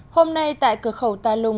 hôm nay tại cửa khẩu tài lông